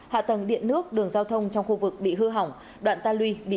hạ tầng điện nước đường giao thông trong khu vực bị hư hỏng đoạn ta lùi bị sụp đổ một phần